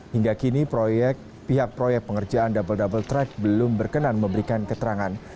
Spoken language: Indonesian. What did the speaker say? hingga kini pihak proyek pengerjaan double double track belum berkenan memberikan keterangan